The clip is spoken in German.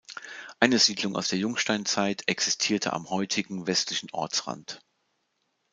Eine Siedlung aus der Jungsteinzeit existierte am heutigen westlichen Ortsrand.